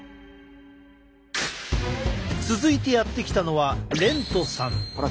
続いてやって来たのは廉都さん。